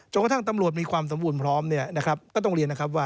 กระทั่งตำรวจมีความสมบูรณ์พร้อมเนี่ยนะครับก็ต้องเรียนนะครับว่า